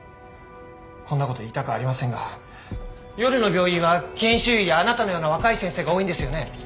こんなこと言いたくありませんが夜の病院は研修医やあなたのような若い先生が多いんですよね？